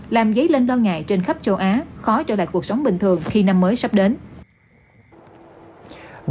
làm dấy lên lo ngại trên khắp châu á khó trở lại cuộc sống bình thường khi năm mới sắp đến